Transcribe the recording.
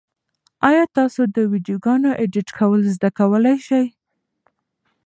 ایا تاسو د ویډیوګانو ایډیټ کول زده کولای شئ؟